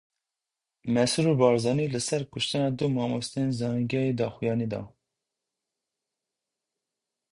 Mesrûr Barzanî li ser kuştina du mamosteyên zanîngehê daxuyanî da.